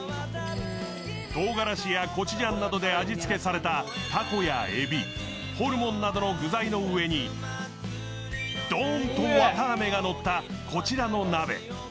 とうがらしやコチュジャンなどで味付けされたホルモンなどの具材の上にどんと綿あめがのったこちらの鍋。